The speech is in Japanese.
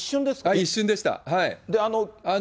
一瞬でした。